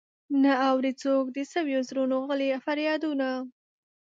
نه اوري څوک د سويو زړونو غلي فريادونه.